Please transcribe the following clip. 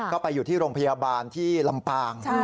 ไปไปอยู่ที่โรงพยาบาลลำพาก